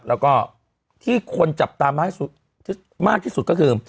แล้วก็ที่คนจับตามาให้มากที่สุดก็คือ